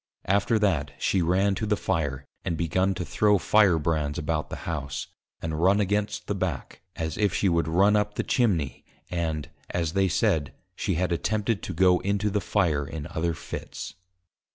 _ After that, she ran to the Fire, and begun to throw Fire brands about the House, and run against the Back, as if she would run up Chimney, and, as they said, she had attempted to go into the Fire in other Fits.